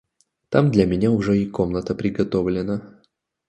Там для меня уже и комната приготовлена.